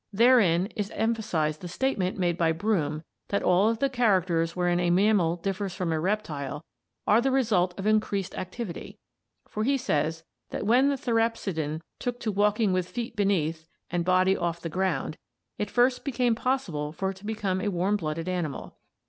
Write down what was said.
Therein is emphasized the statement made by Broom that all of the characters wherein a mammal differs from a reptile are the result of increased activity, for he says that when the therapsidan took to walking with feet underneath and body off the ground, it first became possible for it to become a warm blooded animal.